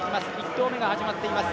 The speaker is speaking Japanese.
１投目が始まっています。